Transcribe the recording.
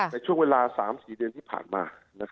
ในช่วงเวลา๓๔เดือนที่ผ่านมา